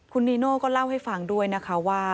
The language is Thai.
คุณนีโน่ก็เล่าให้ฟังด้วยนะคะว่า